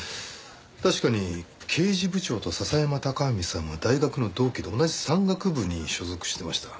確かに刑事部長と笹山隆文さんは大学の同期で同じ山岳部に所属してました。